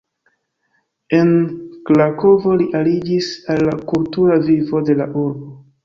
En Krakovo li aliĝis al la kultura vivo de la urbo.